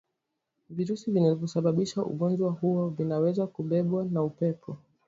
Virusi vinavyosababisha ugonjwa huo vinaweza kubebwa na upepo